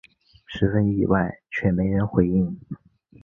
十分意外却没人回应